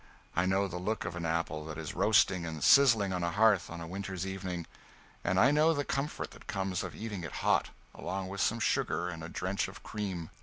I know the look of an apple that is roasting and sizzling on a hearth on a winter's evening, and I know the comfort that comes of eating it hot, along with some sugar and a drench of cream.